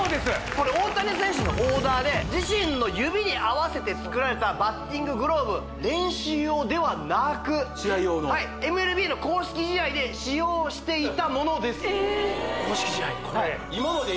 これ大谷選手のオーダーで自身の指に合わせて作られたバッティンググローブ練習用ではなく試合用のはいＭＬＢの公式試合で使用していたものです公式試合で？